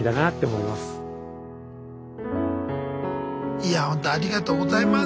「いやほんとありがとうございます」。